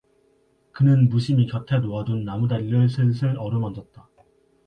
그는 무심히 곁에 놓아둔 나무다리를 슬슬 어루만졌다.